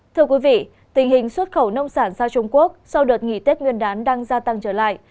thưa quý vị tình hình xuất khẩu nông sản sang trung quốc sau đợt nghỉ tết nguyên đán đang gia tăng trở lại